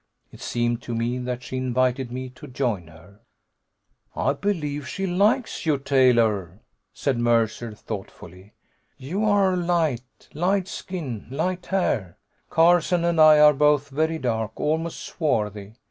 It seemed to me that she invited me to join her. "I believe she likes you, Taylor," said Mercer thoughtfully. "You're light, light skin, light hair. Carson and I are both very dark, almost swarthy.